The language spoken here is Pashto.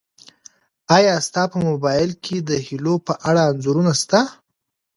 ایا ستا په موبایل کي د هیلو په اړه انځورونه سته؟